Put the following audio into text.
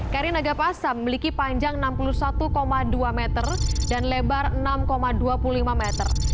kri nagapasa memiliki panjang enam puluh satu dua meter dan lebar enam dua puluh lima meter